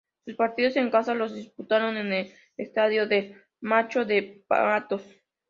Sus partidos en casa los disputaron en el Estadio Dr. Machado de Matos.